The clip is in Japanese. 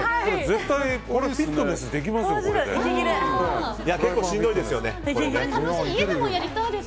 絶対フィットネスできますよこれで。